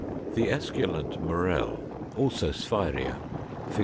The esculent Morel, also Sphæria (Fig.